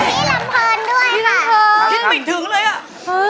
พี่ลำเพิร์นด้วยค่ะติดหมินถึงเลย